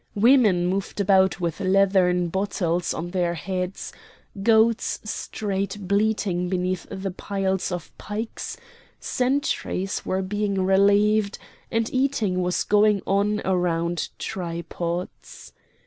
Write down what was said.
Women moved about with leathern bottles on their heads, goats strayed bleating beneath the piles of pikes; sentries were being relieved, and eating was going on around tripods.